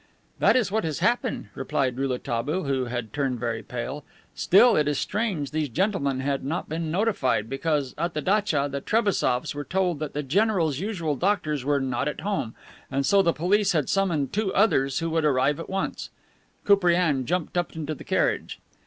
"That is what has happened," replied Rouletabille, who had turned very pale. "Still, it is strange these gentlemen had not been notified, because at the datcha the Trebassofs were told that the general's usual doctors were not at home and so the police had summoned two others who would arrive at once." Koupriane jumped up in the carriage.